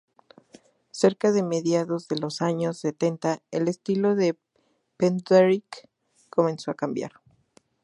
Cerca de mediados de los años setenta el estilo de Penderecki comenzó a cambiar.